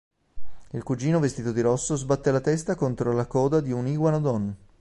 Il cugino vestito di rosso sbatte la testa contro la coda di un Iguanodon.